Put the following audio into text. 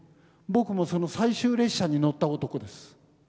僕もその最終列車に乗った男です。